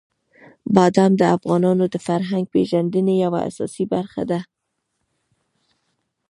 بادام د افغانانو د فرهنګي پیژندنې یوه اساسي برخه ده.